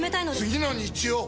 次の日曜！